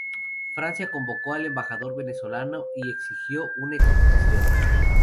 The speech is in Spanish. Francia convocó al embajador venezolano y exigió una explicación.